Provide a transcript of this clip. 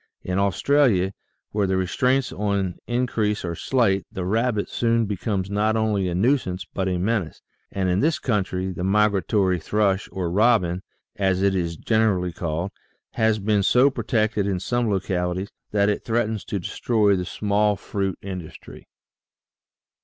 In Australia, where the restraints on increase are slight, the rabbit soon becomes not only a nuisance but a menace, and in this country the migratory thrush or robin, as it is generally called, has been so pro tected in some localities that it threatens to destroy the small fruit industry.